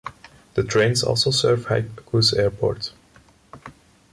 The trains also serve Haikou's Airport.